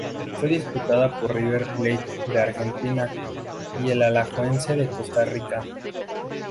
Fue disputada por River Plate de Argentina y el Alajuelense de Costa Rica.